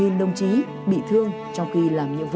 và hơn một nghìn đồng chí bị thương trong khi làm nhiệm vụ